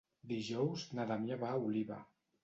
Dijous na Damià va a Oliva.